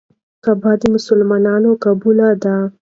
کعبه د مسلمانانو قبله ده.